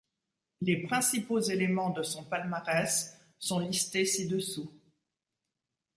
Les principaux éléments de son palmarès sont listés ci-dessous.